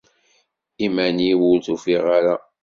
Iman-iw ur t-ufiɣ ara.